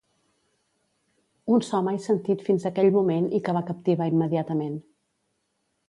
Un so mai sentit fins aquell moment i que va captivar immediatament.